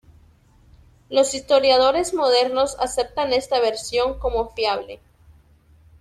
Los historiadores modernos aceptan esta versión como fiable.